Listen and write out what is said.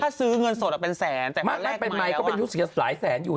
ถ้าซื้อเงินสดอะเป็นแสนแต่แรกไม้แล้วอะมักแรกไม้ก็เป็นยุฏิภาษาหลายแสนอยู่